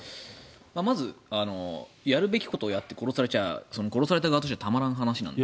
まずやるべきことをやって殺されちゃ殺された側としてはたまらない話なので。